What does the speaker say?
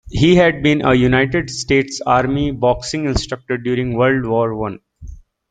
He had been a United States Army boxing instructor during World War One.